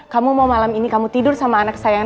kamu mau malam ini kamu tidur sama anak saya